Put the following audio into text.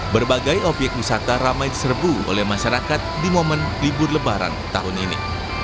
berbagai obyek wisata ramai diserbu oleh masyarakat di momen libur lebaran tahun ini